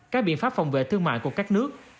các biện pháp phòng vệ thương mại của các nước